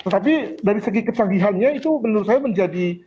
tapi dari segi kecanggihannya itu menurut saya menjadi